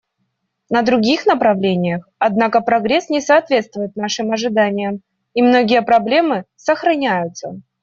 На других направлениях, однако, прогресс не соответствует нашим ожиданиям, и многие проблемы сохраняются.